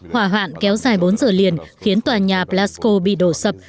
hỏa hoạn kéo dài bốn giờ liền khiến tòa nhà plasco bị đổ sập